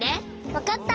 わかった！